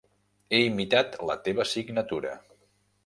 He imitat la teva signatura.